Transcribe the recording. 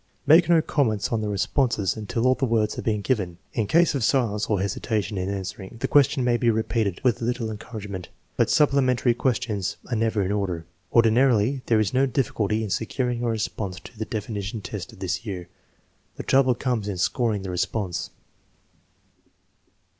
Make no comments on the responses until all the words have been given. In case of silence or hesitation in answer ing, the question may be repeated with a little encourage ment; but supplementary questions are never in order. Ordinarily there is no difficulty in securing a response to the definition test of this year. The trouble comes in scor ing the response.